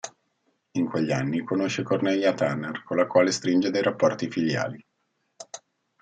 In quegli anni conosce Cornelia Turner, con la quale stringe dei rapporti filiali.